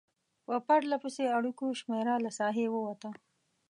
په پرلپسې اړیکو شمېره له ساحې ووته.